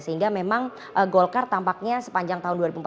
sehingga memang golkar tampaknya sepanjang tahun dua ribu empat belas